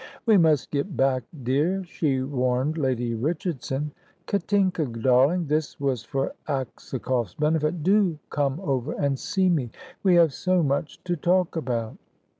"We must get back, dear," she warned Lady Richardson. "Katinka, darling" this was for Aksakoff's benefit "do come over and see me. We have so much to talk about."